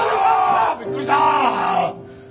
びっくりした！